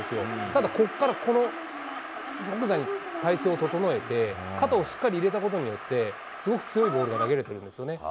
ただ、ここからこのつぶさに体勢を整えて、肩をしっかり入れたことによって、すごく強いボールが投げれてるんですよね。